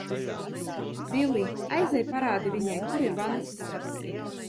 Bilij, aizej parādi viņai, kur ir vannas istaba!